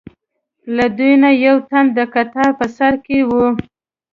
له دوی نه یو تن د کتار په سر کې و.